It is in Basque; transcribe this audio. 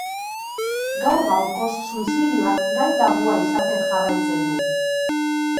Gaur gaurkoz suizidioak gai tabua izaten jarraitzen du.